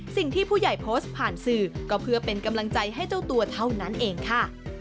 สิ่งที่ผู้ใหญ่โพสต์ผ่านสื่อก็เพื่อเป็นกำลังใจให้เจ้าตัวเท่านั้นเองค่ะ